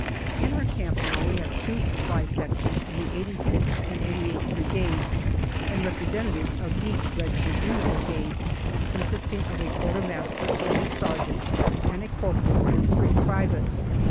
In our camp now we have the two Supply Sections of the 86th and 88th Brigades and representatives of each regiment in the Brigades, consisting of a Quartermaster OCTOBER 239 or his sergeant, and a corporal and three privates.